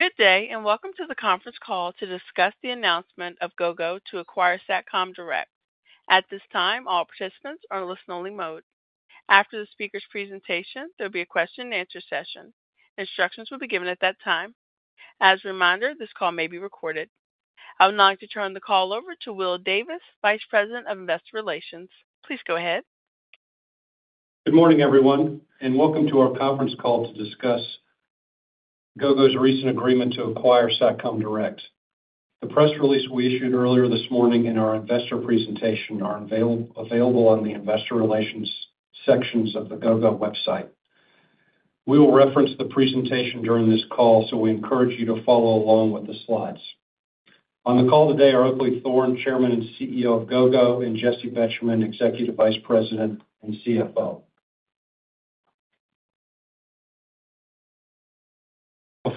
Good day, and welcome to the conference call to discuss the announcement of Gogo to acquire Satcom Direct. At this time, all participants are in listen-only mode. After the speaker's presentation, there'll be a question and answer session. Instructions will be given at that time. As a reminder, this call may be recorded. I would now like to turn the call over to Will Davis, Vice President of Investor Relations. Please go ahead. Good morning, everyone, and welcome to our conference call to discuss Gogo's recent agreement to acquire Satcom Direct. The press release we issued earlier this morning and our investor presentation are available on the investor relations sections of the Gogo website. We will reference the presentation during this call, so we encourage you to follow along with the slides. On the call today are Oakley Thorne, Chairman and CEO of Gogo, and Jessi Betjemann, Executive Vice President and CFO.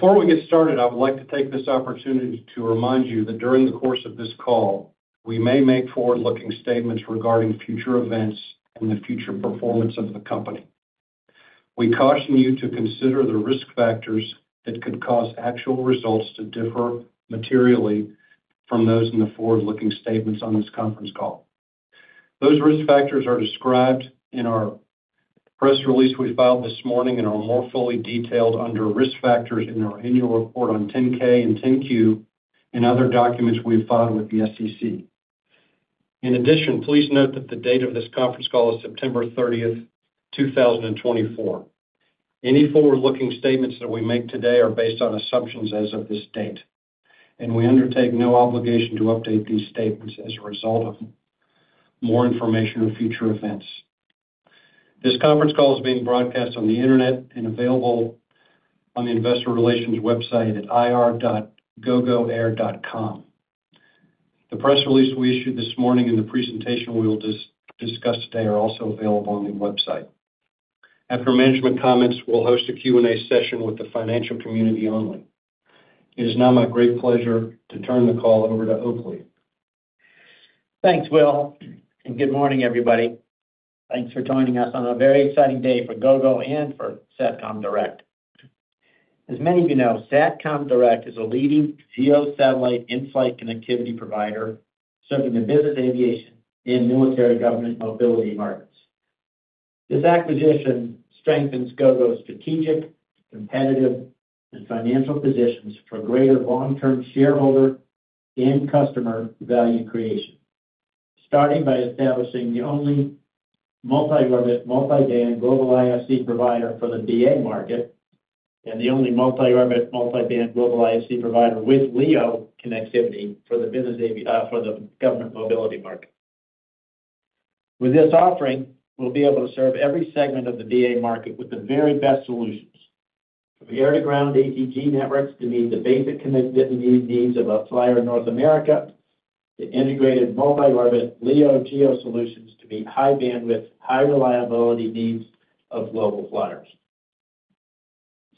Before we get started, I would like to take this opportunity to remind you that during the course of this call, we may make forward-looking statements regarding future events and the future performance of the company. We caution you to consider the risk factors that could cause actual results to differ materially from those in the forward-looking statements on this conference call. Those risk factors are described in our press release we filed this morning and are more fully detailed under Risk Factors in our annual report on 10-K and 10-Q and other documents we've filed with the SEC. In addition, please note that the date of this conference call is September thirtieth, two thousand and twenty-four. Any forward-looking statements that we make today are based on assumptions as of this date, and we undertake no obligation to update these statements as a result of more information or future events. This conference call is being broadcast on the Internet and available on the investor relations website at ir.gogoair.com. The press release we issued this morning and the presentation we will discuss today are also available on the website. After management comments, we'll host a Q&A session with the financial community only. It is now my great pleasure to turn the call over to Oakley. Thanks, Will, and good morning, everybody. Thanks for joining us on a very exciting day for Gogo and for Satcom Direct. As many of you know, Satcom Direct is a leading GEO satellite in-flight connectivity provider serving the business aviation and military government mobility markets. This acquisition strengthens Gogo's strategic, competitive, and financial positions for greater long-term shareholder and customer value creation, starting by establishing the only multi-orbit, multi-band global IFC provider for the DA market, and the only multi-orbit, multi-band global IFC provider with LEO connectivity for the business, for the government mobility market. With this offering, we'll be able to serve every segment of the DA market with the very best solutions, from the air-to-ground ATG networks to meet the basic connectivity needs of a flyer in North America, to integrated multi-orbit LEO GEO solutions to meet high bandwidth, high reliability needs of global flyers.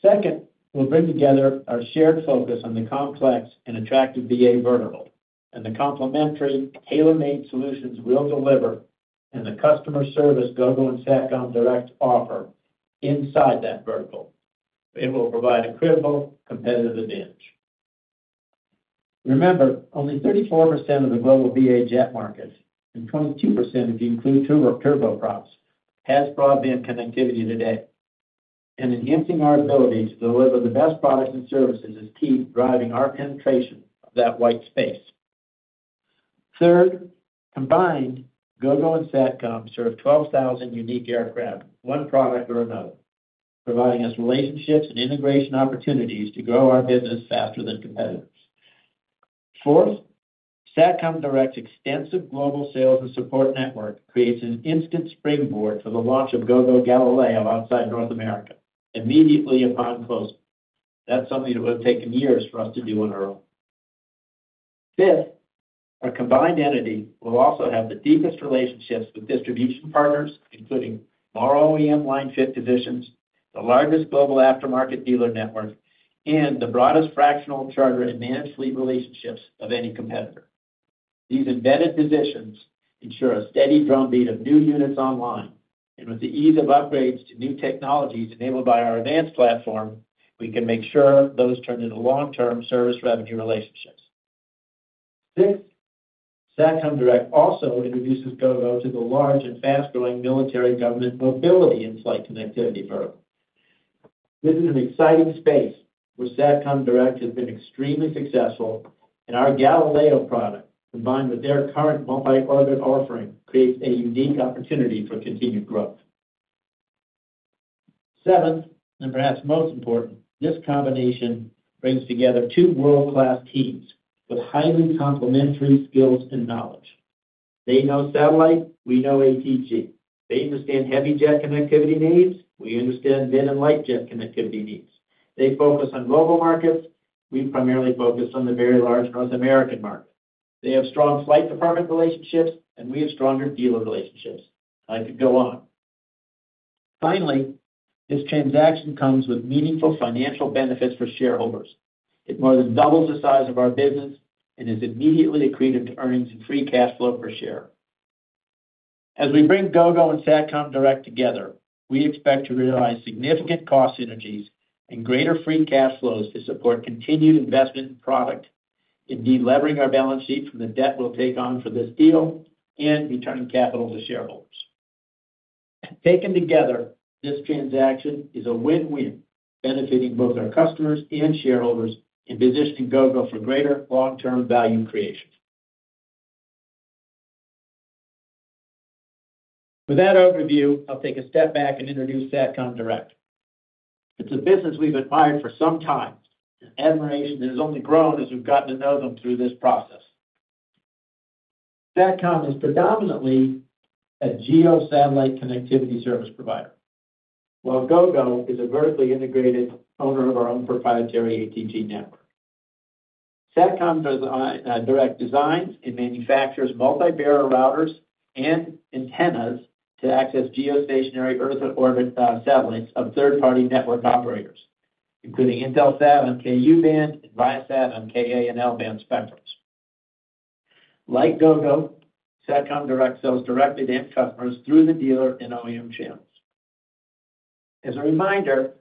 Second, we'll bring together our shared focus on the complex and attractive BA vertical, and the complementary tailor-made solutions we'll deliver, and the customer service Gogo and Satcom Direct offer inside that vertical. It will provide a credible competitive advantage. Remember, only 34% of the global BA jet market, and 22% if you include turboprops, has broadband connectivity today, and enhancing our ability to deliver the best products and services is key, driving our penetration of that white space. Third, combined, Gogo and Satcom Direct serve 12,000 unique aircraft, one product or another, providing us relationships and integration opportunities to grow our business faster than competitors. Fourth, Satcom Direct's extensive global sales and support network creates an instant springboard for the launch of Gogo Galileo outside North America, immediately upon closing. That's something that would have taken years for us to do on our own. Fifth, our combined entity will also have the deepest relationships with distribution partners, including more OEM line-fit positions, the largest global aftermarket dealer network, and the broadest fractional charter and managed fleet relationships of any competitor. These embedded positions ensure a steady drumbeat of new units online, and with the ease of upgrades to new technologies enabled by our AVANCE platform, we can make sure those turn into long-term service revenue relationships. Sixth, Satcom Direct also introduces Gogo to the large and fast-growing military government mobility in-flight connectivity vertical. This is an exciting space where Satcom Direct has been extremely successful, and our Galileo product, combined with their current multi-orbit offering, creates a unique opportunity for continued growth. Seventh, and perhaps most important, this combination brings together two world-class teams with highly complementary skills and knowledge. They know satellite, we know ATG. They understand heavy jet connectivity needs, we understand mid and light jet connectivity needs. They focus on global markets, we primarily focus on the very large North American market. They have strong flight department relationships, and we have stronger dealer relationships. I could go on. Finally, this transaction comes with meaningful financial benefits for shareholders. It more than doubles the size of our business and is immediately accretive to earnings and free cash flow per share. As we bring Gogo and Satcom Direct together, we expect to realize significant cost synergies and greater free cash flows to support continued investment in product, indeed, levering our balance sheet from the debt we'll take on for this deal and returning capital to shareholders. Taken together, this transaction is a win-win, benefiting both our customers and shareholders, and positioning Gogo for greater long-term value creation. With that overview, I'll take a step back and introduce Satcom Direct. It's a business we've admired for some time, and admiration has only grown as we've gotten to know them through this process. Satcom Direct is predominantly a GEO satellite connectivity service provider, while Gogo is a vertically integrated owner of our own proprietary ATG network. Satcom Direct designs and manufactures multi-bearer routers and antennas to access geostationary earth orbit satellites of third-party network operators, including Intelsat on Ku-band, Viasat on Ka- and L-band spectrums. Like Gogo, Satcom Direct sells directly to end customers through the dealer and OEM channels. As a reminder,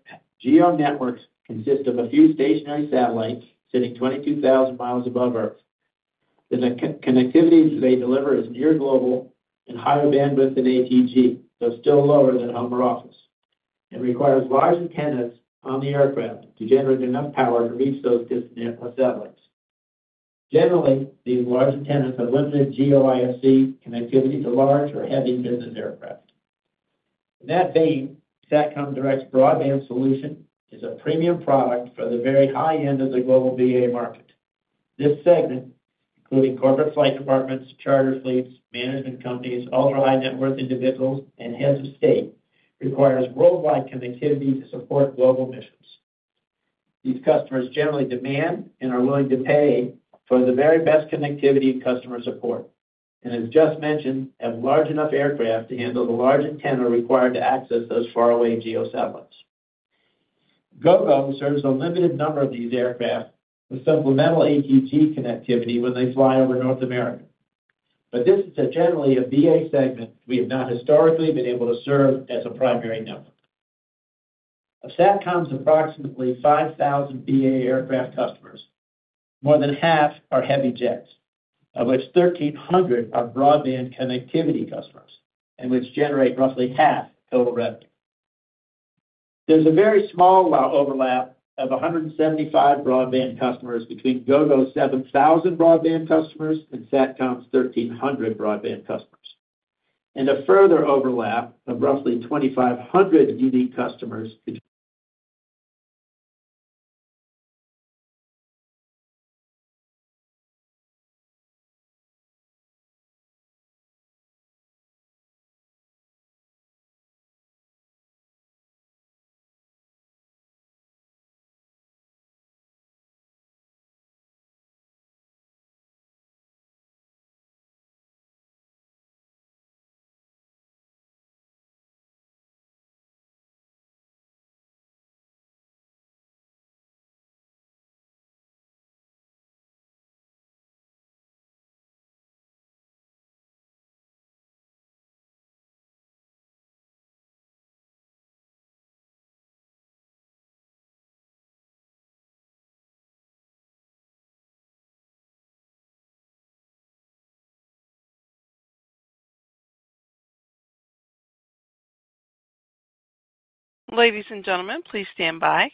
GEO networks consist of a few stationary satellites sitting 22,000 mi above Earth. The connectivity they deliver is near global and higher bandwidth than ATG, though still lower than home or office, and requires large antennas on the aircraft to generate enough power to reach those distant satellites. Generally, these large antennas are leverage GEO IFC connectivity to large or heavy business aircraft. With that being, Satcom Direct's broadband solution is a premium product for the very high end of the global BA market. This segment, including corporate flight departments, charter fleets, management companies, ultra-high-net-worth individuals, and heads of state, requires worldwide connectivity to support global missions. These customers generally demand and are willing to pay for the very best connectivity and customer support, and as just mentioned, have large enough aircraft to handle the large antenna required to access those faraway GEO satellites. Gogo serves a limited number of these aircraft with supplemental ATG connectivity when they fly over North America. This is generally a BA segment we have not historically been able to serve as a primary network. Of Satcom Direct's approximately 5,000 BA aircraft customers, more than half are heavy jets, of which 1,300 are broadband connectivity customers, and which generate roughly half total revenue. There's a very small overlap of 175 broadband customers between Gogo's 7,000 broadband customers and Satcom Direct's 1,300 broadband customers, and a further overlap of roughly 2,500 unique customers between- Ladies and gentlemen, please stand by.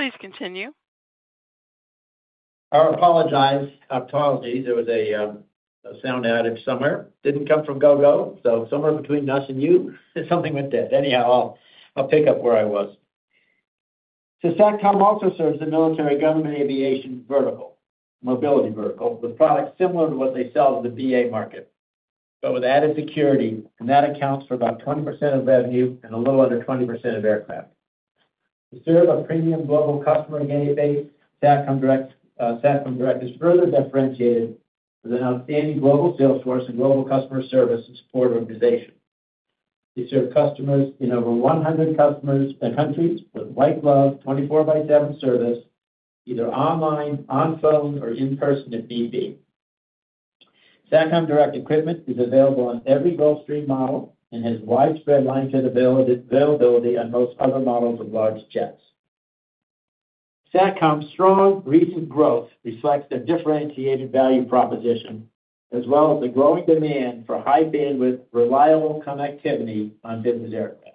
Please continue. I apologize. Apologies, there was a sound outage somewhere. Didn't come from Gogo, so somewhere between us and you, something went dead. Anyhow, I'll pick up where I was, so Satcom also serves the military government aviation vertical, mobility vertical, with products similar to what they sell to the BA market, but with added security, and that accounts for about 20% of revenue and a little under 20% of aircraft. To serve our premium global customer base, Satcom Direct is further differentiated with an outstanding global sales force and global customer service and support organization. We serve customers in over 100 countries, with white glove, 24/7 service, either online, on phone, or in person, if need be. Satcom Direct equipment is available on every Gulfstream model and has widespread line-fit availability on most other models of large jets. Satcom's strong recent growth reflects their differentiated value proposition, as well as the growing demand for high bandwidth, reliable connectivity on business aircraft.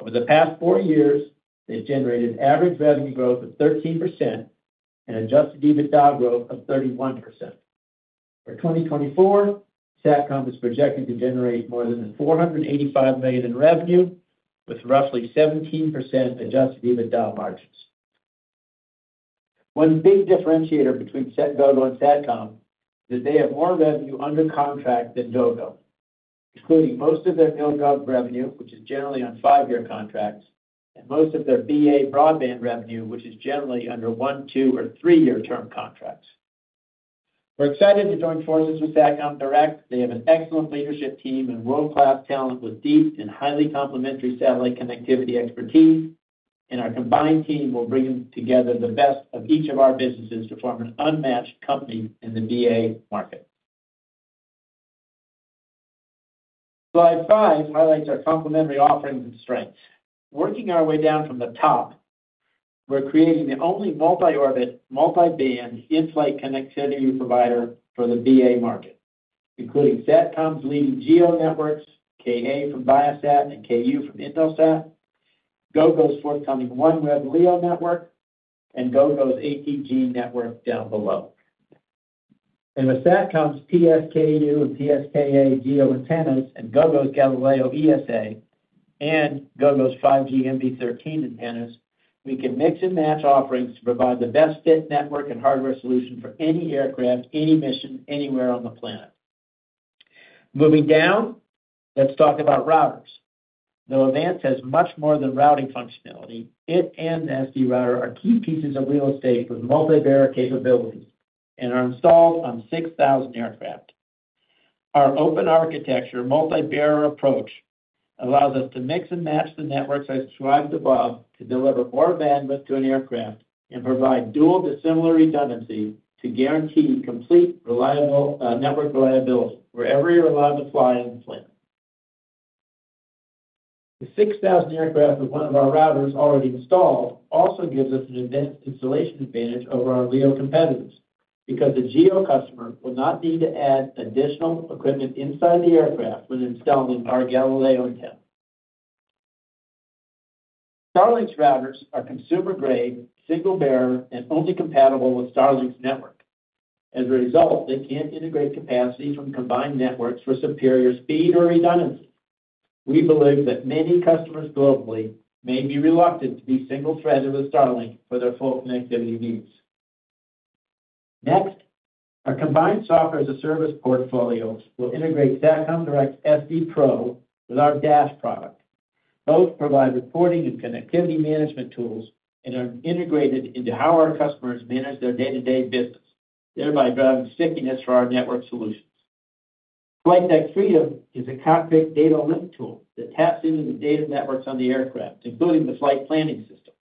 Over the past four years, they've generated average revenue growth of 13% and adjusted EBITDA growth of 31%. For 2024, Satcom is projected to generate more than $485 million in revenue, with roughly 17% adjusted EBITDA margins. One big differentiator between Gogo and Satcom is they have more revenue under contract than Gogo, including most of their MilGov revenue, which is generally on five-year contracts, and most of their BA broadband revenue, which is generally under one-, two-, or three-year term contracts. We're excited to join forces with Satcom Direct. They have an excellent leadership team and world-class talent with deep and highly complementary satellite connectivity expertise, and our combined team will bring together the best of each of our businesses to form an unmatched company in the BA market. Slide five highlights our complementary offerings and strengths. Working our way down from the top, we're creating the only multi-orbit, multi-band, in-flight connectivity provider for the BA market, including Satcom's leading GEO networks, Ka from Viasat and Ku from Intelsat, Gogo's forthcoming OneWeb LEO network, and Gogo's ATG network down below. And with Satcom's PSKU and PSKA GEO antennas, and Gogo's Galileo ESA, and Gogo's 5G MB13 antennas, we can mix and match offerings to provide the best fit network and hardware solution for any aircraft, any mission, anywhere on the planet. Moving down, let's talk about routers. Though AVANCE has much more than routing functionality, it and SD Router are key pieces of real estate with multi-bearer capabilities and are installed on six thousand aircraft. Our open architecture, multi-bearer approach, allows us to mix and match the networks I described above, to deliver more bandwidth to an aircraft and provide dual dissimilar redundancy to guarantee complete, reliable, network reliability wherever you're allowed to fly in the planet. The six thousand aircraft with one of our routers already installed also gives us an AVANCE installation advantage over our LEO competitors, because the GEO customer will not need to add additional equipment inside the aircraft when installing our Galileo antenna. Starlink's routers are consumer-grade, single bearer, and only compatible with Starlink's network. As a result, they can't integrate capacity from combined networks for superior speed or redundancy. We believe that many customers globally may be reluctant to be single-threaded with Starlink for their full connectivity needs. Next, our combined software-as-a-service portfolio will integrate Satcom Direct's SD Pro with our Dash product. Both provide reporting and connectivity management tools, and are integrated into how our customers manage their day-to-day business, thereby driving stickiness for our network solutions. FlightDeck Freedom is a cockpit data link tool that taps into the data networks on the aircraft, including the flight planning system.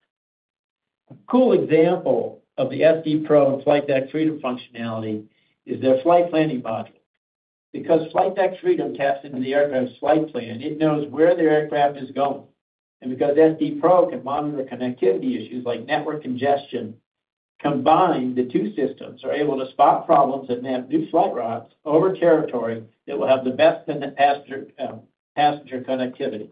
A cool example of the SD Pro and FlightDeck Freedom functionality is their flight planning module. Because FlightDeck Freedom taps into the aircraft's flight plan, it knows where the aircraft is going, and because SD Pro can monitor connectivity issues like network congestion, combined, the two systems are able to spot problems and have new flight routes over territory that will have the best passenger connectivity.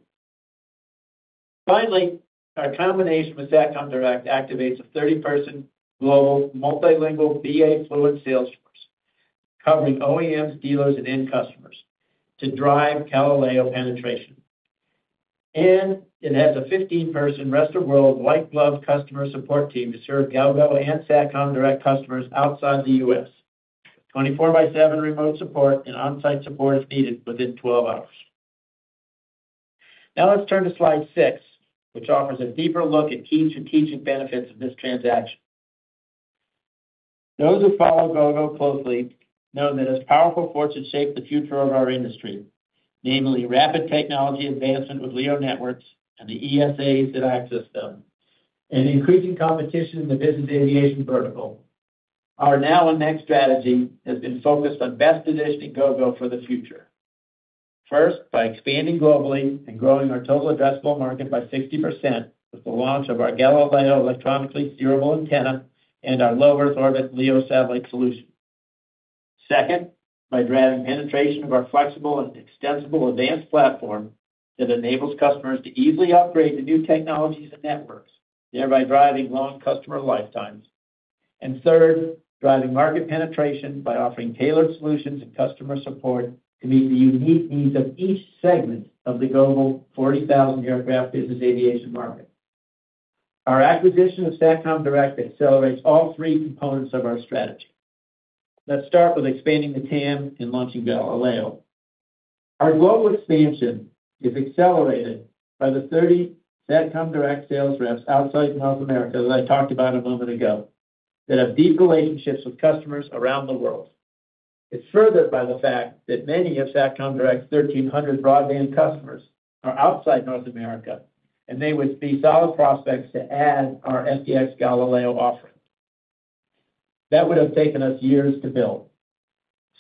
Finally, our combination with Satcom Direct activates a thirty-person, global, multilingual, BA-fluent sales force, covering OEMs, dealers, and end customers to drive Galileo penetration, and it has a fifteen-person, rest-of-world, white-glove customer support team to serve Gogo and Satcom Direct customers outside the U.S., twenty-four by seven remote support and on-site support, if needed, within twelve hours. Now let's turn to slide six, which offers a deeper look at key strategic benefits of this transaction. Those who follow Gogo closely know that as powerful forces shape the future of our industry, namely rapid technology advancement with LEO networks and the ESA's direct access system, and increasing competition in the business aviation vertical, our now and next strategy has been focused on best positioning Gogo for the future. First, by expanding globally and growing our total addressable market by 60% with the launch of our Galileo electronically steerable antenna and our low Earth orbit LEO satellite solution. Second, by driving penetration of our flexible and extensible AVANCE platform that enables customers to easily upgrade to new technologies and networks, thereby driving long customer lifetimes. And third, driving market penetration by offering tailored solutions and customer support to meet the unique needs of each segment of the global 40,000 aircraft business aviation market. Our acquisition of Satcom Direct accelerates all three components of our strategy. Let's start with expanding the TAM and launching Galileo. Our global expansion is accelerated by the 30 Satcom Direct sales reps outside North America, as I talked about a moment ago, that have deep relationships with customers around the world. It's furthered by the fact that many of Satcom Direct's 1,300 broadband customers are outside North America, and they would be solid prospects to add our FDX Galileo offering. That would have taken us years to build.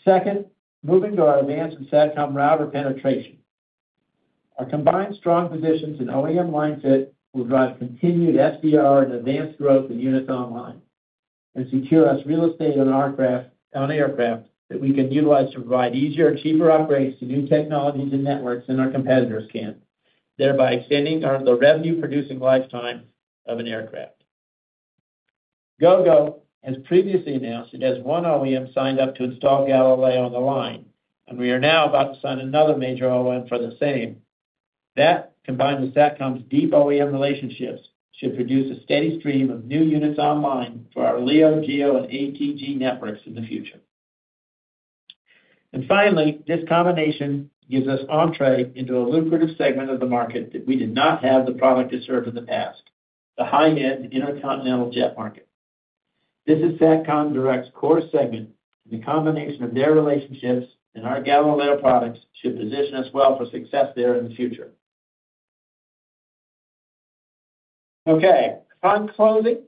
Second, moving to our AVANCE Satcom router penetration. Our combined strong positions in OEM line-fit will drive continued SDR and AVANCE growth in units online, and secure us real estate on aircraft, on aircraft that we can utilize to provide easier and cheaper upgrades to new technologies and networks than our competitors can, thereby extending our the revenue-producing lifetime of an aircraft. Gogo, as previously announced, it has one OEM signed up to install Galileo on the line, and we are now about to sign another major OEM for the same. That, combined with Satcom Direct's deep OEM relationships, should produce a steady stream of new units online for our LEO, GEO, and ATG networks in the future. And finally, this combination gives us entree into a lucrative segment of the market that we did not have the product to serve in the past, the high-end intercontinental jet market. This is Satcom Direct's core segment, and the combination of their relationships and our Galileo products should position us well for success there in the future. Okay, on closing,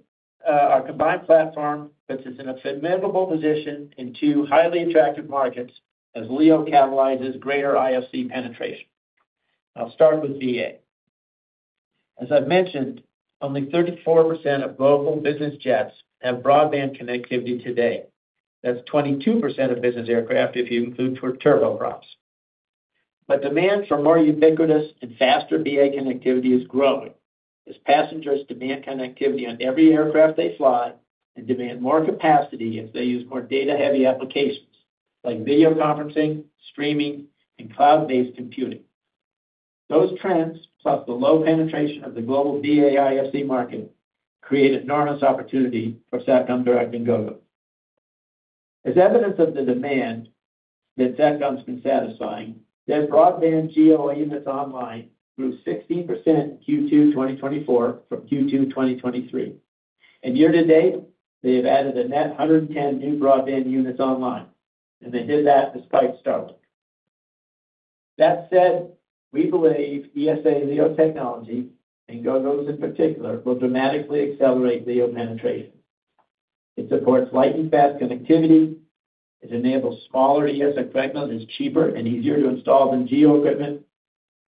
our combined platform puts us in a formidable position in two highly attractive markets as LEO catalyzes greater IFC penetration. I'll start with BA. As I've mentioned, only 34% of global business jets have broadband connectivity today. That's 22% of business aircraft if you include turboprops. But demand for more ubiquitous and faster BA connectivity is growing, as passengers demand connectivity on every aircraft they fly, and demand more capacity if they use more data-heavy applications like video conferencing, streaming, and cloud-based computing. Those trends, plus the low penetration of the global BA IFC market, create enormous opportunity for Satcom Direct and Gogo. As evidence of the demand that Satcom's been satisfying, their broadband GEO units online grew 60% in Q2 2024 from Q2 2023. And year to date, they have added a net 110 new broadband units online, and they did that despite Starlink. That said, we believe ESA LEO technology, and Gogo's in particular, will dramatically accelerate LEO penetration. It supports lightning-fast connectivity. It enables smaller ESA equipment that's cheaper and easier to install than GEO equipment.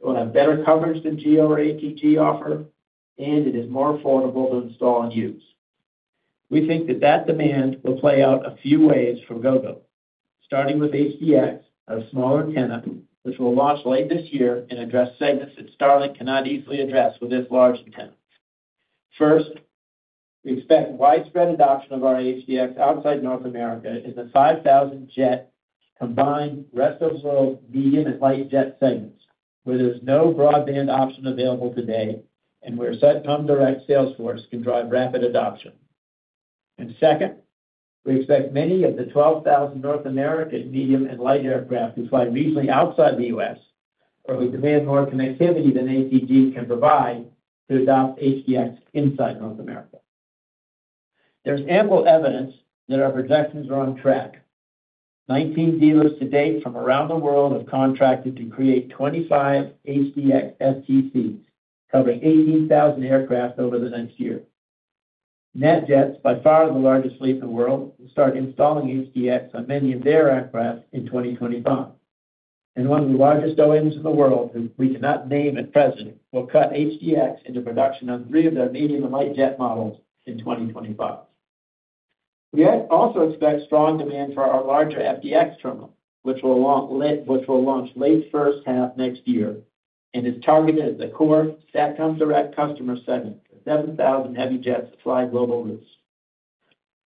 It will have better coverage than GEO or ATG offer, and it is more affordable to install and use. We think that that demand will play out a few ways for Gogo, starting with HDX, our smaller antenna, which will launch late this year and address segments that Starlink cannot easily address with its large antenna. First, we expect widespread adoption of our HDX outside North America in the 5,000-jet combined rest-of-world, medium, and light jet segments, where there's no broadband option available today, and where Satcom Direct sales force can drive rapid adoption. And second, we expect many of the 12,000 North American, medium, and light aircraft who fly regionally outside the US, or who demand more connectivity than ATG can provide, to adopt HDX inside North America. There's ample evidence that our projections are on track. 19 dealers to date from around the world have contracted to create 25 HDX STCs, covering 18,000 aircraft over the next year. NetJets, by far the largest fleet in the world, will start installing HDX on many of their aircraft in 2025. And one of the largest OEMs in the world, who we cannot name at present, will cut HDX into production on 3 of their medium and light jet models in 2025. We also expect strong demand for our larger FDX terminal, which will launch late first half next year, and is targeted at the core Satcom Direct customer segment, the 7,000 heavy jets that fly global routes.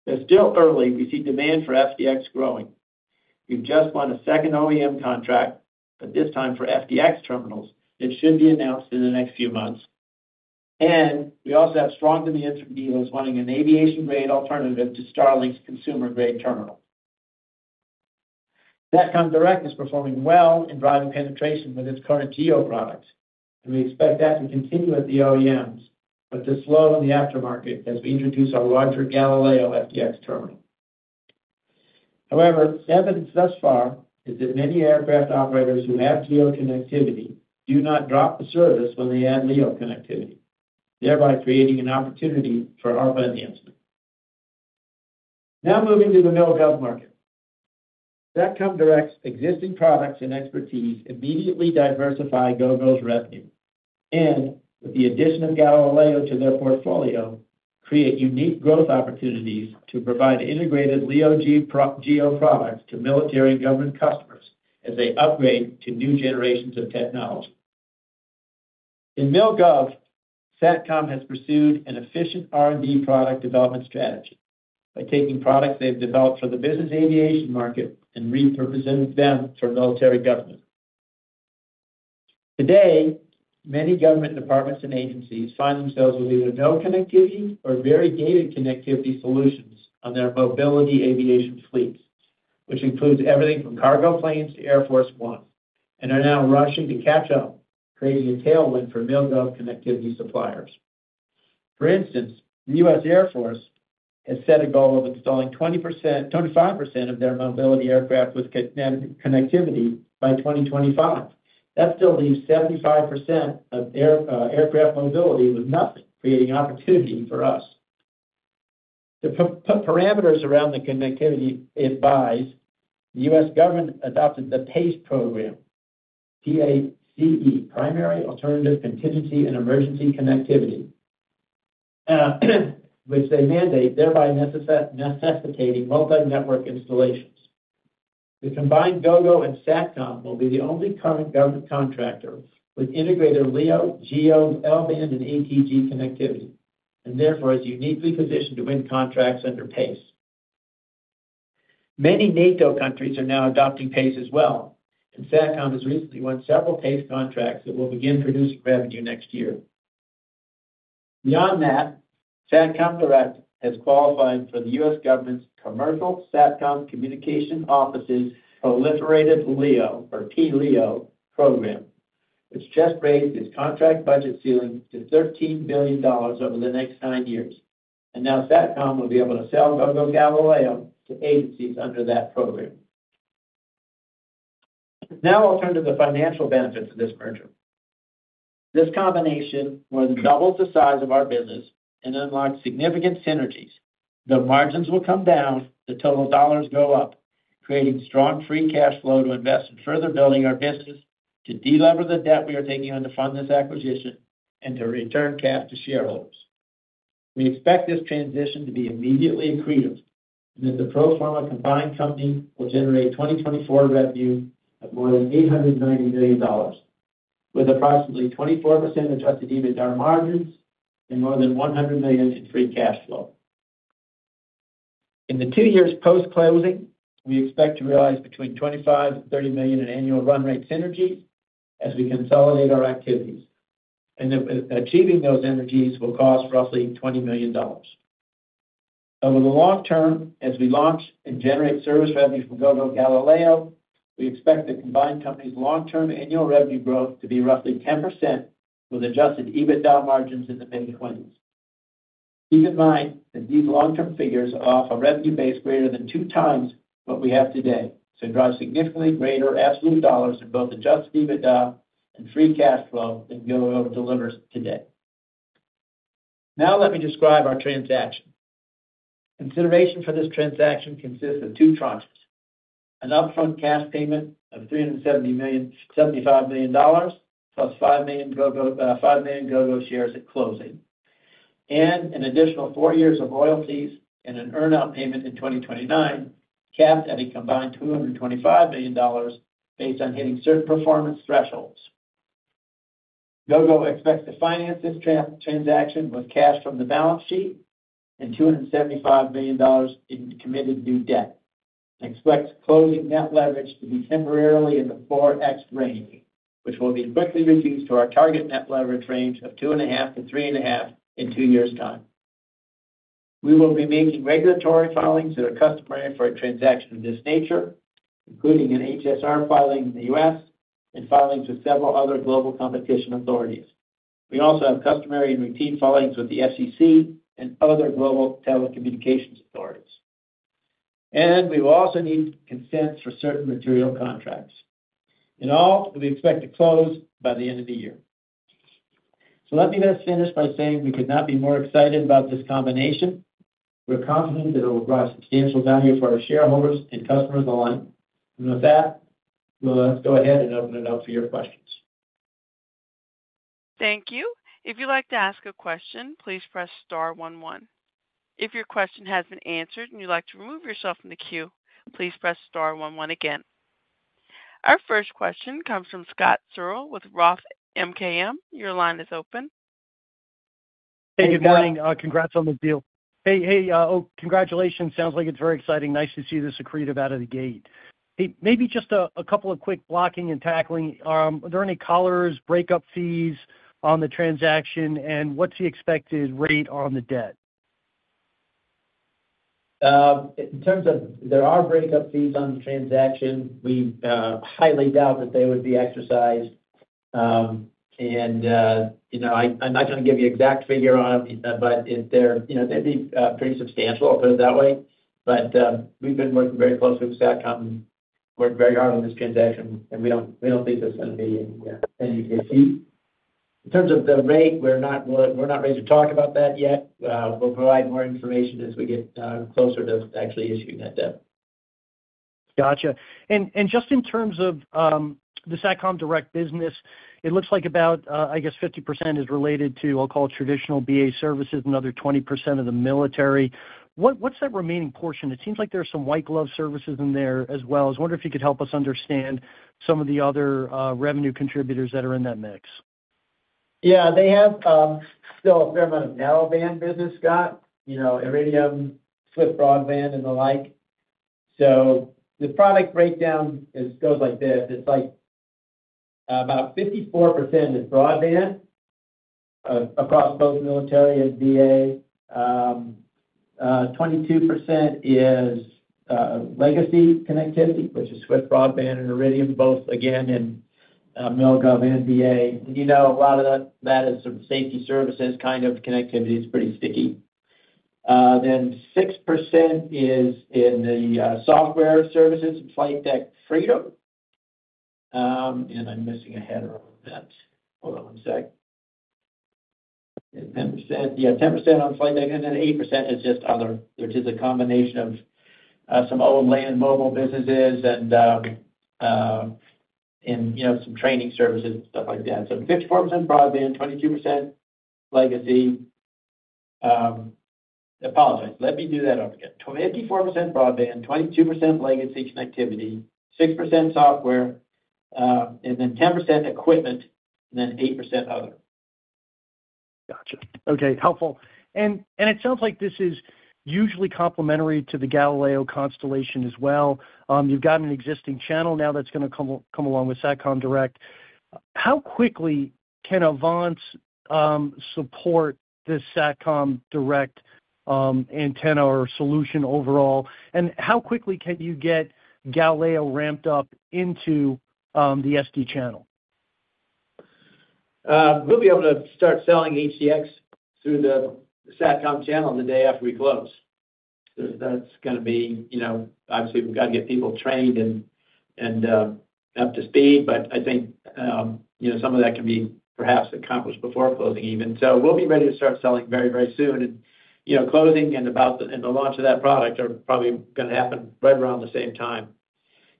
It's still early, we see demand for FDX growing. We've just won a second OEM contract, but this time for FDX terminals, it should be announced in the next few months. We also have strong demand from dealers wanting an aviation-grade alternative to Starlink's consumer-grade terminal. Satcom Direct is performing well in driving penetration with its current GEO products, and we expect that to continue at the OEMs, but to slow in the aftermarket as we introduce our larger Galileo FDX terminal. However, the evidence thus far is that many aircraft operators who have GEO connectivity do not drop the service when they add LEO connectivity, thereby creating an opportunity for our financing. Now moving to the Mil gov market. Satcom Direct's existing products and expertise immediately diversify Gogo's revenue, and with the addition of Galileo to their portfolio, create unique growth opportunities to provide integrated LEO GEO products to military and government customers as they upgrade to new generations of technology. In mil-gov, Satcom has pursued an efficient R&D product development strategy by taking products they've developed for the business aviation market and repurposing them for military government. Today, many government departments and agencies find themselves with either no connectivity or very gated connectivity solutions on their mobility aviation fleets, which includes everything from cargo planes to Air Force One, and are now rushing to catch up, creating a tailwind for mil-gov connectivity suppliers. For instance, the U.S. Air Force has set a goal of installing 20%-25% of their mobility aircraft with connectivity by 2025. That still leaves 75% of aircraft mobility with nothing, creating opportunity for us. To put parameters around the connectivity it buys, the U.S. government adopted the PACE program, P-A-C-E, Primary, Alternate, Contingency, and Emergency Connectivity, which they mandate, thereby necessitating multi-network installations. The combined Gogo and Satcom will be the only current government contractor with integrated LEO, GEO, L-band, and ATG connectivity, and therefore, is uniquely positioned to win contracts under PACE. Many NATO countries are now adopting PACE as well, and Satcom has recently won several PACE contracts that will begin producing revenue next year. Beyond that, Satcom Direct has qualified for the U.S. government's Commercial Satellite Communications Office, Proliferated LEO or P-LEO program, which just raised its contract budget ceiling to $13 billion over the next nine years. Now Satcom will be able to sell Gogo Galileo to agencies under that program. Now I'll turn to the financial benefits of this merger. This combination more than doubles the size of our business and unlocks significant synergies. The margins will come down, the total dollars go up, creating strong Free Cash Flow to invest in further building our business, to deliver the debt we are taking on to fund this acquisition, and to return cash to shareholders. We expect this transition to be immediately accretive, and that the pro forma combined company will generate 2024 revenue of more than $890 million, with approximately 24% Adjusted EBITDA margins and more than $100 million in Free Cash Flow. In the two years post-closing, we expect to realize between $25 million and $30 million in annual run rate synergies as we consolidate our activities, and that achieving those synergies will cost roughly $20 million. Over the long term, as we launch and generate service revenue from Gogo Galileo, we expect the combined company's long-term annual revenue growth to be roughly 10%, with adjusted EBITDA margins in the mid-20s. Keep in mind that these long-term figures are off a revenue base greater than two times what we have today, so drive significantly greater absolute dollars in both adjusted EBITDA and free cash flow that Gogo delivers today. Now let me describe our transaction. Consideration for this transaction consists of two tranches: an upfront cash payment of $375 million, plus 5 million Gogo shares at closing, and an additional four years of royalties and an earn-out payment in 2029, capped at a combined $225 million based on hitting certain performance thresholds. Gogo expects to finance this transaction with cash from the balance sheet and $275 million in committed new debt, and expects closing net leverage to be temporarily in the 4x range, which will be quickly reduced to our target net leverage range of 2.5-3.5x in two years' time. We will be making regulatory filings that are customary for a transaction of this nature, including an HSR filing in the U.S. and filings with several other global competition authorities. We also have customary and routine filings with the SEC and other global telecommunications authorities, and we will also need consents for certain material contracts. In all, we expect to close by the end of the year, so let me just finish by saying we could not be more excited about this combination. We're confident that it will bring substantial value for our shareholders and customers alike, and with that, well, let's go ahead and open it up for your questions. Thank you. If you'd like to ask a question, please press star one, one. If your question has been answered and you'd like to remove yourself from the queue, please press star one, one again. Our first question comes from Scott Searle with Roth MKM. Your line is open. Hey, good morning. Congrats on the deal. Hey, congratulations. Sounds like it's very exciting. Nice to see the SD out of the gate. Hey, maybe just a couple of quick blocking and tackling. Are there any collars, breakup fees on the transaction? And what's the expected rate on the debt? In terms of, there are breakup fees on the transaction. We highly doubt that they would be exercised. And you know, I'm not gonna give you an exact figure on them, but if they're, you know, they'd be pretty substantial, put it that way. But we've been working very closely with Satcom and worked very hard on this transaction, and we don't think there's gonna be any fees. In terms of the rate, we're not ready to talk about that yet. We'll provide more information as we get closer to actually issuing that debt. Gotcha. And just in terms of the Satcom Direct business, it looks like about, I guess, 50% is related to, I'll call it, traditional BA services, another 20% of the military. What's that remaining portion? It seems like there are some white glove services in there as well. I was wondering if you could help us understand some of the other revenue contributors that are in that mix. Yeah, they have still a fair amount of narrowband business, Scott, you know, Iridium, SwiftBroadband, and the like. So the product breakdown is, goes like this: It's like about 54% is broadband across both military and BA. Twenty-two percent is legacy connectivity, which is SwiftBroadband and Iridium, both again in Mil gov and BA. You know, a lot of that is sort of safety services kind of connectivity, it's pretty sticky. Then 6% is in the software services, FlightDeck Freedom. And I'm missing ahead of all that. Hold on one sec. 10%, yeah, 10% on FlightDeck, and then 8% is just other, which is a combination of some old land mobile businesses and, you know, some training services and stuff like that. So 54% broadband, 22% legacy. I apologize. Let me do that over again. 24% broadband, 22% legacy connectivity, 6% software, and then 10% equipment, and then 8% other. Gotcha. Okay, helpful. And it sounds like this is usually complementary to the Galileo constellation as well. You've got an existing channel now that's gonna come along with Satcom Direct. How quickly can AVANCE support this Satcom Direct antenna or solution overall? And how quickly can you get Galileo ramped up into the SD channel? We'll be able to start selling HDX through the Satcom channel the day after we close. That's gonna be, you know, obviously, we've got to get people trained and up to speed, but I think, you know, some of that can be perhaps accomplished before closing even, so we'll be ready to start selling very, very soon. You know, closing and the launch of that product are probably gonna happen right around the same time.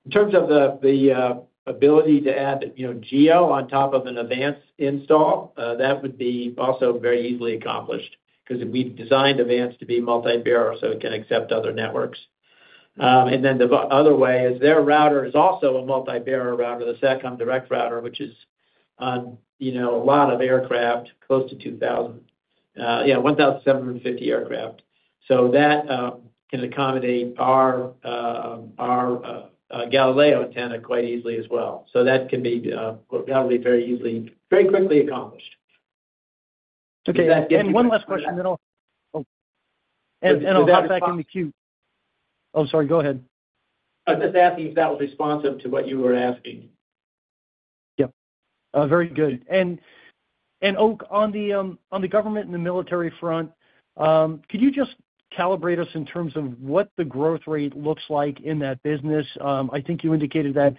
In terms of the ability to add, you know, GEO on top of an AVANCE install, that would be also very easily accomplished because we've designed AVANCE to be multi-bearer, so it can accept other networks. And then the other way is their router is also a multi-bearer router, the Satcom Direct router, which is on, you know, a lot of aircraft, close to two thousand, one thousand seven hundred and fifty aircraft. So that can accommodate our Galileo antenna quite easily as well. So that can be probably very easily, very quickly accomplished. Okay, and one last question, then I'll- And- And I'll back in the queue. Oh, sorry, go ahead. I was just asking if that was responsive to what you were asking. Yep. Very good. And Oakleigh, on the government and the military front, could you just calibrate us in terms of what the growth rate looks like in that business? I think you indicated that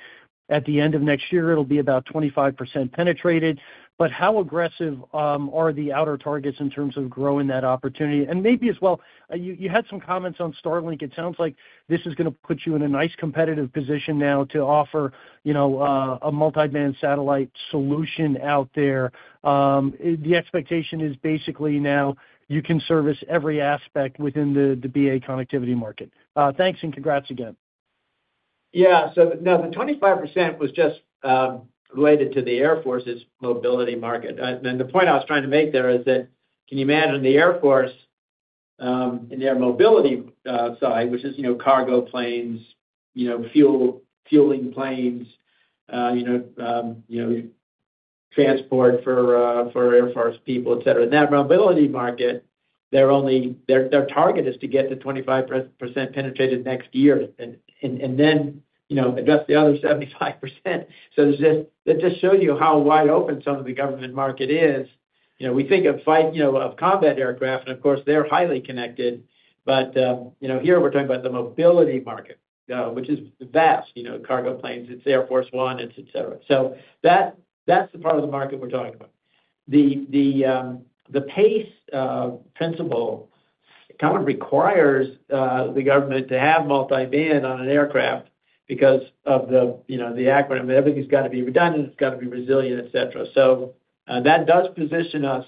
at the end of next year, it'll be about 25% penetrated. But how aggressive are the outer targets in terms of growing that opportunity? And maybe as well, you had some comments on Starlink. It sounds like this is gonna put you in a nice competitive position now to offer, you know, a multi-band satellite solution out there. The expectation is basically now you can service every aspect within the BA connectivity market. Thanks, and congrats again. Yeah. So now, the 25% was just related to the Air Force's mobility market. And the point I was trying to make there is that, can you imagine the Air Force in their mobility side, which is, you know, cargo planes, you know, fueling planes, you know, transport for Air Force people, et cetera. In that mobility market, their target is to get to 25% penetrated next year, and then, you know, address the other 75%. So that just shows you how wide open some of the government market is. You know, we think of flight, you know, of combat aircraft, and of course, they're highly connected, but, you know, here we're talking about the mobility market, which is vast, you know, cargo planes, it's Air Force One, it's et cetera. So that, that's the part of the market we're talking about. The PACE principle kind of requires the government to have multi-band on an aircraft because of the, you know, the acronym. Everything's gotta be redundant, it's gotta be resilient, et cetera. So, that does position us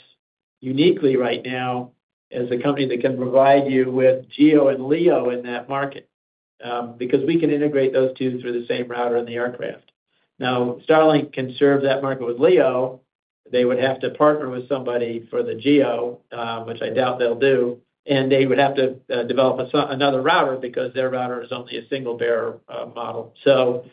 uniquely right now as a company that can provide you with GEO and LEO in that market, because we can integrate those two through the same router in the aircraft. Now, Starlink can serve that market with LEO. They would have to partner with somebody for the GEO, which I doubt they'll do, and they would have to develop another router because their router is only a single bearer model. So,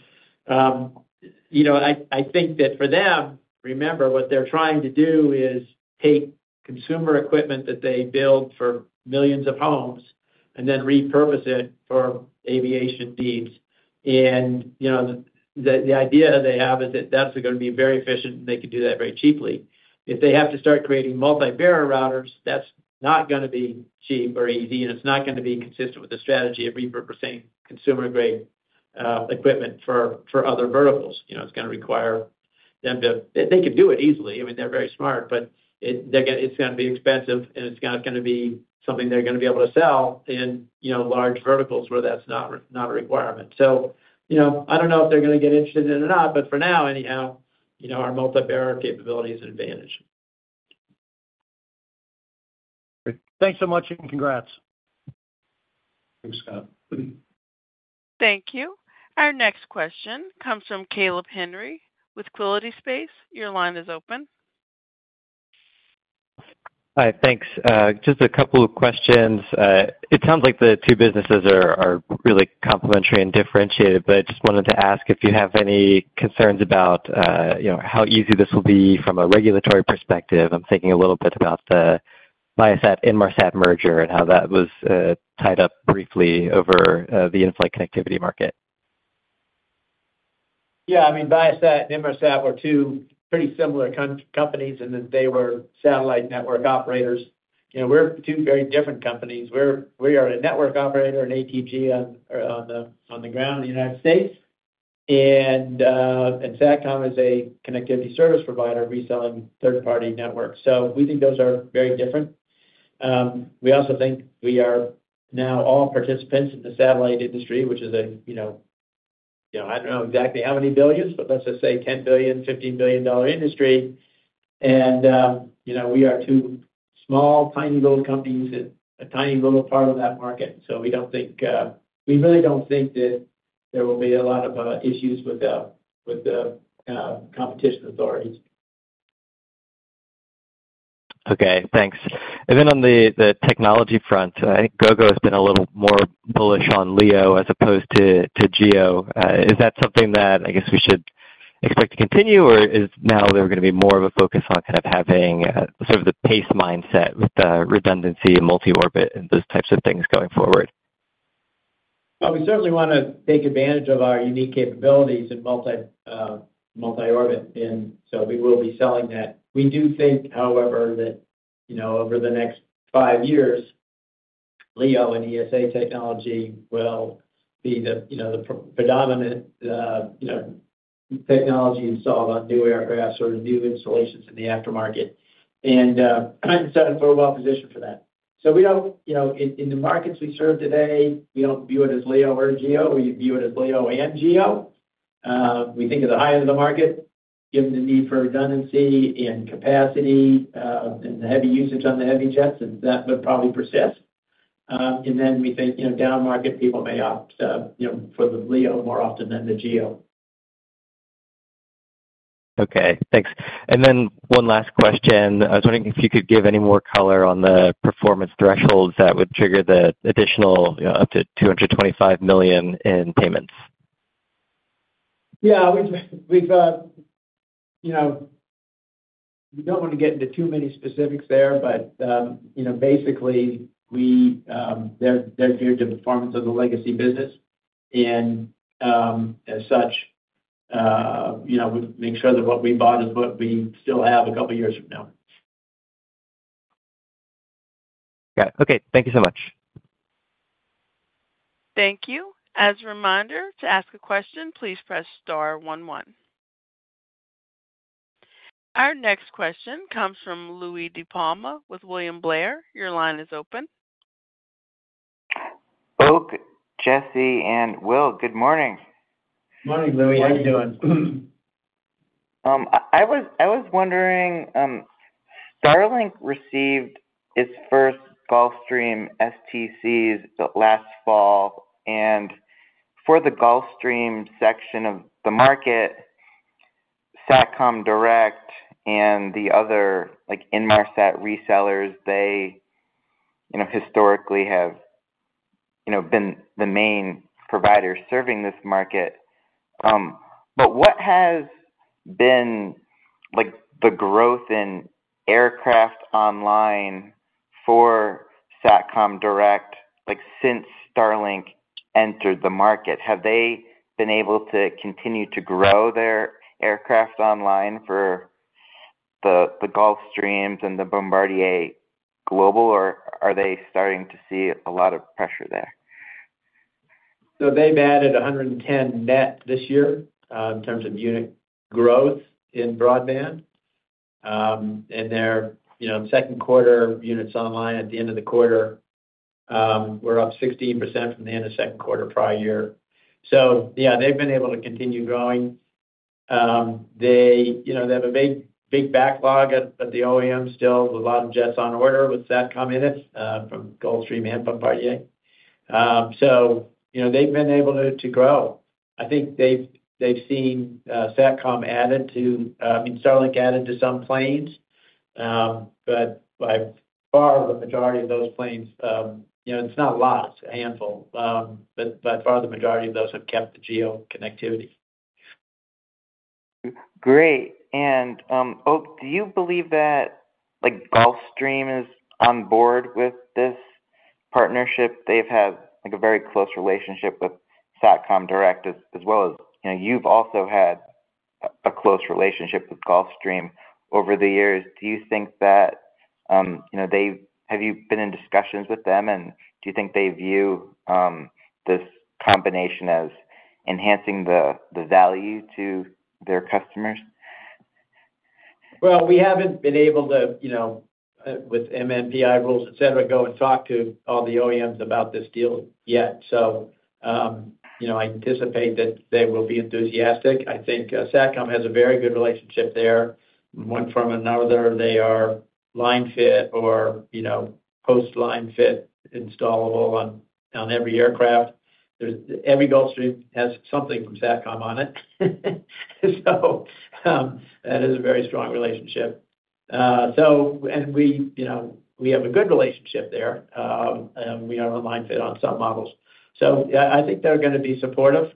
you know, I think that for them, remember, what they're trying to do is take consumer equipment that they build for millions of homes and then repurpose it for aviation needs. And, you know, the idea they have is that that's gonna be very efficient, and they could do that very cheaply. If they have to start creating multi-bearer routers, that's not gonna be cheap or easy, and it's not gonna be consistent with the strategy of repurposing consumer-grade equipment for other verticals. You know, it's gonna require them to... They could do it easily, I mean, they're very smart, but it's gonna be expensive, and it's not gonna be something they're gonna be able to sell in, you know, large verticals where that's not a requirement. So, you know, I don't know if they're gonna get interested in it or not, but for now, anyhow, you know, our multi-bearer capability is an advantage. Great. Thanks so much, and congrats. Thanks, Scott. Thank you. Our next question comes from Caleb Henry with Quilty Space. Your line is open. Hi, thanks. Just a couple of questions. It sounds like the two businesses are really complementary and differentiated, but I just wanted to ask if you have any concerns about, you know, how easy this will be from a regulatory perspective. I'm thinking a little bit about the Viasat-Inmarsat merger and how that was tied up briefly over the in-flight connectivity market. Yeah, I mean, Viasat and Inmarsat were two pretty similar companies in that they were satellite network operators. You know, we're two very different companies. We are a network operator, an ATG on the ground in the United States, and Satcom is a connectivity service provider, reselling third-party networks. So we think those are very different. We also think we are now all participants in the satellite industry, which is, you know, I don't know exactly how many billions, but let's just say $10 billion-$15 billion dollar industry, and, you know, we are two small, tiny little companies in a tiny, little part of that market. So we don't think. We really don't think that there will be a lot of issues with the competition authorities. Okay, thanks. And then on the technology front, I think Gogo has been a little more bullish on LEO as opposed to GEO. Is that something that, I guess, we should expect to continue, or is there now gonna be more of a focus on kind of having sort of the pace mindset with the redundancy and multi-orbit and those types of things going forward? Well, we certainly wanna take advantage of our unique capabilities in multi-orbit, and so we will be selling that. We do think, however, that, you know, over the next five years, LEO and ESA technology will be the, you know, the predominant, technology you saw about new aircraft or new installations in the aftermarket, and, so we're well positioned for that. So we don't, you know, in the markets we serve today, we don't view it as LEO or GEO. We view it as LEO and GEO. We think of the high end of the market, given the need for redundancy and capacity, and the heavy usage on the heavy jets, and that would probably persist. And then we think, you know, downmarket people may opt, you know, for the LEO more often than the GEO. Okay, thanks. And then one last question. I was wondering if you could give any more color on the performance thresholds that would trigger the additional, you know, up to $225 million in payments. Yeah, we've you know, we don't want to get into too many specifics there, but you know, basically, they're geared to the performance of the legacy business, and as such you know, we make sure that what we bought is what we still have a couple years from now. Got it. Okay. Thank you so much. Thank you. As a reminder, to ask a question, please press star one, one. Our next question comes from Louie DiPalma with William Blair. Your line is open. Oakley, Jessi, and Will, good morning. Morning, Louis. How are you doing? I was wondering, Starlink received its first Gulfstream STCs last fall, and for the Gulfstream section of the market, Satcom Direct and the other, like, Inmarsat resellers, they, you know, historically have, you know, been the main provider serving this market. But what has been, like, the growth in aircraft online for Satcom Direct, like, since Starlink entered the market? Have they been able to continue to grow their aircraft online for the Gulfstreams and the Bombardier Global, or are they starting to see a lot of pressure there? So they've added 110 net this year in terms of unit growth in broadband, and their second quarter units online at the end of the quarter were up 16% from the end of second quarter prior year, so yeah, they've been able to continue growing. They, you know, they have a big, big backlog at the OEM still, with a lot of jets on order with SATCOM in it from Gulfstream and Bombardier, so, you know, they've been able to grow. I think they've seen SATCOM added to, I mean, Starlink added to some planes. But by far, the majority of those planes, you know, it's not a lot, it's a handful, but by far, the majority of those have kept the GEO connectivity. Great. And, Oak, do you believe that, like, Gulfstream is on board with this partnership? They've had, like, a very close relationship with Satcom Direct, as well as, you know, you've also had a close relationship with Gulfstream over the years. Do you think that, you know, have you been in discussions with them, and do you think they view this combination as enhancing the value to their customers? Well, we haven't been able to, you know, with MNPI rules, et cetera, go and talk to all the OEMs about this deal yet. So, you know, I anticipate that they will be enthusiastic. I think, Satcom has a very good relationship there. One form or another, they are line-fit or, you know, post line-fit installable on every aircraft. Every Gulfstream has something from Satcom on it. So, that is a very strong relationship. So, and we, you know, we have a good relationship there, and we are a line-fit on some models. So yeah, I think they're gonna be supportive.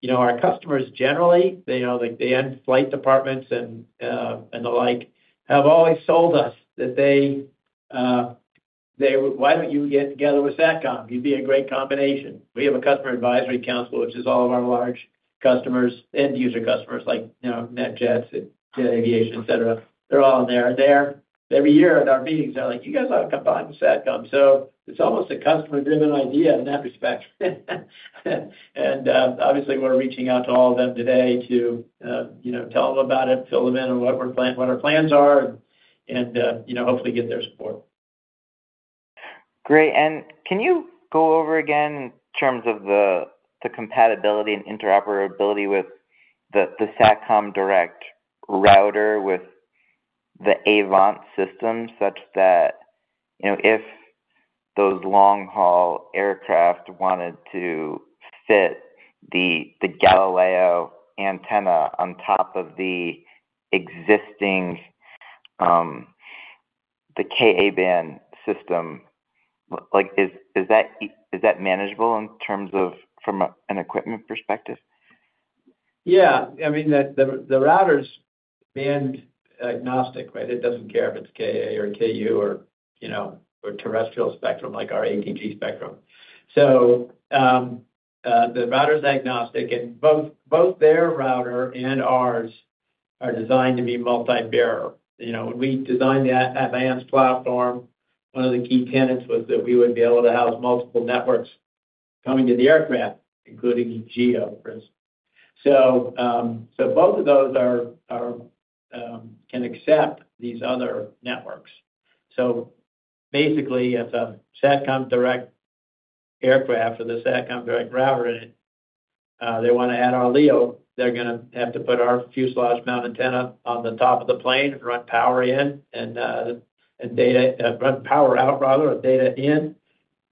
You know, our customers, generally, they are like the end flight departments and, and the like, have always told us that they, "Why don't you get together with Satcom? You'd be a great combination." We have a customer advisory council, which is all of our large customers, end user customers, like, you know, NetJets, Jet Aviation, et cetera. They're all in there, and they're. Every year at our meetings, they're like, "You guys ought to combine with SATCOM." So it's almost a customer-driven idea in that respect, and obviously, we're reaching out to all of them today to, you know, tell them about it, fill them in on what our plans are and, and, you know, hopefully get their support. Great. And can you go over again in terms of the compatibility and interoperability with the Satcom Direct router with the AVANCE system, such that you know, if those long-haul aircraft wanted to fit the Galileo antenna on top of the existing Ka-band system, like, is that manageable in terms of from an equipment perspective? Yeah. I mean, the router's band agnostic, right? It doesn't care if it's Ka or Ku or, you know, or terrestrial spectrum, like our AT&T spectrum. So, the router's agnostic, and both their router and ours are designed to be multi-bearer. You know, when we designed the AVANCE platform, one of the key tenets was that we would be able to house multiple networks coming to the aircraft, including Geo, for instance. So, both of those can accept these other networks. So basically, if a Satcom Direct aircraft or the Satcom Direct router in it, they wanna add our LEO, they're gonna have to put our fuselage mount antenna on the top of the plane and run power in, and data, run power out, rather, data in,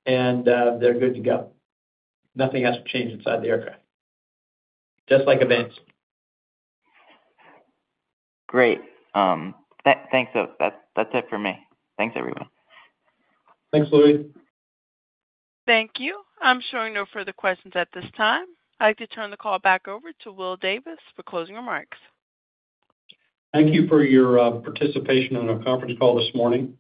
and they're good to go. Nothing has to change inside the aircraft, just like AVANCE. Great. Thanks. That's it for me. Thanks, everyone. Thanks, Louis. Thank you. I'm showing no further questions at this time. I'd like to turn the call back over to Will Davis for closing remarks. Thank you for your participation in our conference call this morning.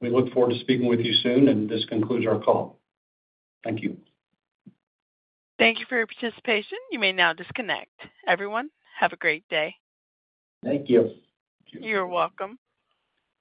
We look forward to speaking with you soon, and this concludes our call. Thank you. Thank you for your participation. You may now disconnect. Everyone, have a great day. Thank you. You're welcome.